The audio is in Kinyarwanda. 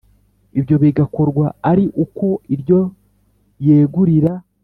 ibyo bigakorwa ari uko iryo yegurira